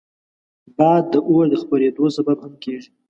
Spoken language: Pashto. باد د اور د خپرېدو سبب هم کېږي